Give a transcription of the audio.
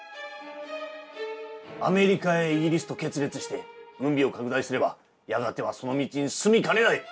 アメリカイギリスと決裂して軍備を拡大すればやがてはその道に進みかねない！